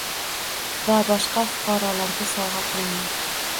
Va boshqa fuqarolarga sovg`a qilingan